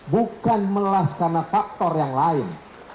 bukan melas karena faktor yang lain